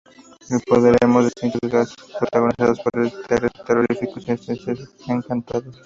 En el podremos ver distintos gags protagonizados por seres terroríficos y estancias encantadas.